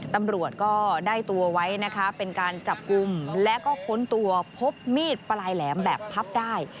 ตำรวจก็ได้ตัวไว้นะคะเป็นการจับกลุ่มและก็ค้นตัวพบมีดปลายแหลมแบบพับได้